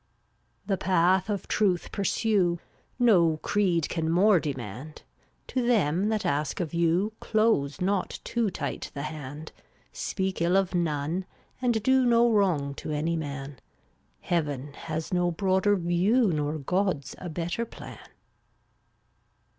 313 The path of Truth pursue, No creed can more demand; To them that ask of you Close not too tight the hand. Speak ill of none, and do No wrong to any man: Heaven has no broader view Nor gods a better plan.